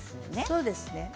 そうですね。